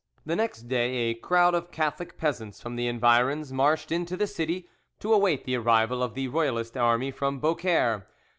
The next day a crowd of Catholic peasants from the environs marched into the city, to await the arrival of the Royalist army from Beaucaire.